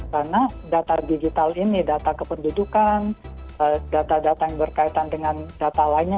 karena data digital ini data kependudukan data data yang berkaitan dengan data lainnya